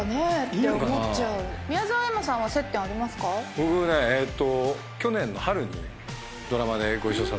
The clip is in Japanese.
僕ねえっと。